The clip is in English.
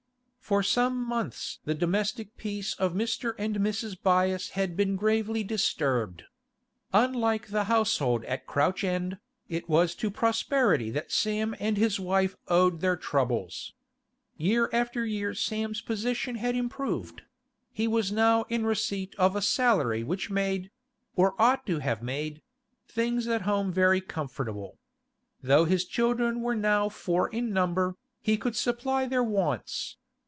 For some months the domestic peace of Mr. and Mrs. Byass had been gravely disturbed. Unlike the household at Crouch End, it was to prosperity that Sam and his wife owed their troubles. Year after year Sam's position had improved; he was now in receipt of a salary which made—or ought to have made—things at home very comfortable. Though his children were now four in number, he could supply their wants.